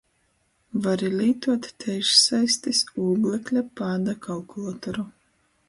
Vari lītuot teišsaistis ūglekļa pāda kalkulatoru.